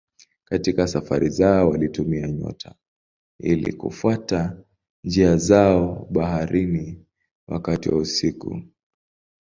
Katika safari zao walitumia nyota ili kufuata njia zao baharini wakati wa usiku.